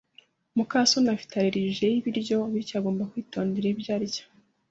muka soni afite allergie y'ibiryo, bityo agomba kwitondera ibyo arya.